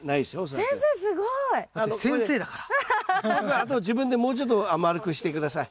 あと自分でもうちょっと丸くして下さい。